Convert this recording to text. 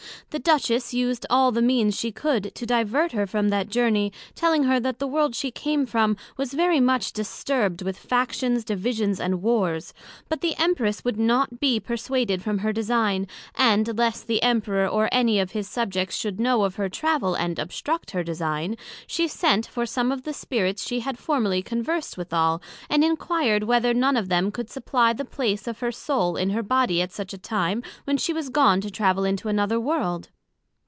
The Duchess used all the means she could, to divert her from that Journey, telling her, that the World she came from, was very much disturbed with Factions, Divisions and Wars; but the Empress would not be perswaded from her design; and lest the Emperor, or any of his subjects should know of her travel, and obstruct her design; she sent for some of the Spirits she had formerly conversed withal, and inquired whether none of them could supply the place of her soul in her body at such a time, when she was gone to travel into another World?